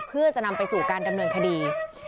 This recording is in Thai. เพื่อจะนำไปสู่การดำเนินคดี